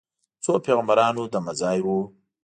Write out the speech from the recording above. د څو پیغمبرانو دمه ځای و.